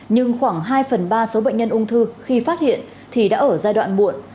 nhưng khoảng hai phần ba số bệnh nhân ung thư khi phát hiện thì đã ở giai đoạn muộn